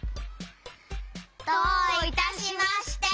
どういたしまして！